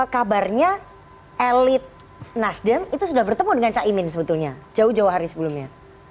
kabarnya elit nasdem itu sudah bertemu dengan caimin sebetulnya jauh jauh hari sebelumnya